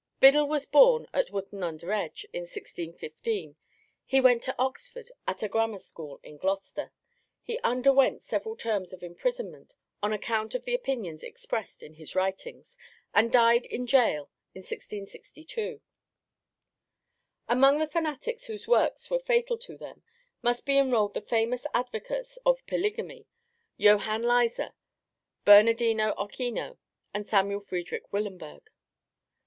Biddle was born at Wotton under Edge in 1615; he went to Oxford, and became a teacher at a grammar school at Gloucester. He underwent several terms of imprisonment on account of the opinions expressed in his writings, and died in gaol in 1662. Amongst the fanatics whose works were fatal to them must be enrolled the famous advocates of polygamy, Johann Lyser, Bernardino Ochino, and Samuel Friedrich Willenberg.